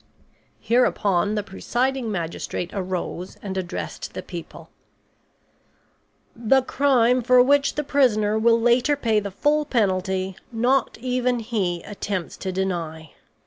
Hereupon the presiding magistrate arose and addressed the people: "The crime for which the prisoner will later pay the full penalty, not even he attempts to deny.